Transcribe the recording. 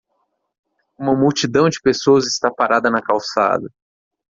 Uma multidão de pessoas está parada na calçada.